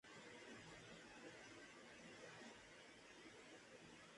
Además el cambio lingüístico difiere de generación en generación.